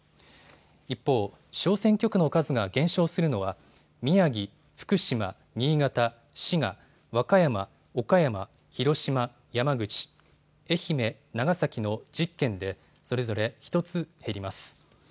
一方、小選挙区の数が減少するのは宮城、福島、新潟、滋賀、和歌山、岡山、広島、山口、愛媛、長崎の１０県でそれぞれ１つ減ります。